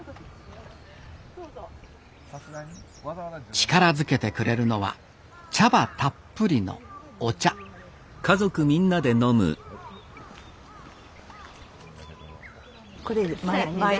力づけてくれるのは茶葉たっぷりのお茶毎回。